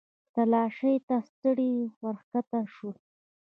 تلاشۍ ته ستړي ورښکته شولو.